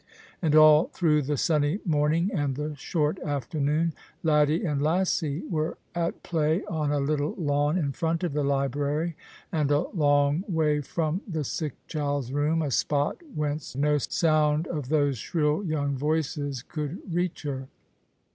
And all through the sunny morning and the short afternoon Laddie and Lassie were at: play on a little lawn in front of the library, and a Lmg way from the sick child's room, a spot whence no sound of those shrill 212 The Christmas Hirelings. young voices could reach her.